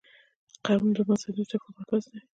قم د مذهبي زده کړو مرکز دی.